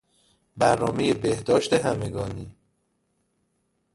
برنامهی بهداشت همگانی